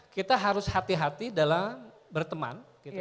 kita harus hati hati dalam berteman